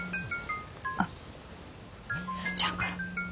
あっスーちゃんから。